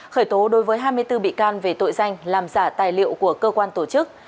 khởi tố đối với hai mươi bốn bị can về tội danh làm giả tài liệu của cơ quan tổ chức